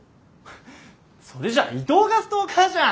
それじゃあ伊藤がストーカーじゃん。